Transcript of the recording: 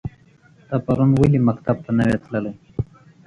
ته پرون ولی مکتب ته نه وی تللی؟